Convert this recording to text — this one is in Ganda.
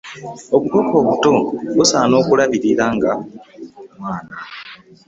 Obukoko obuto busaana kulabirira nga mwana.